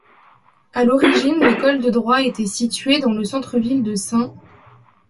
À l'origine, l'école de droit était située dans le centre-ville de St.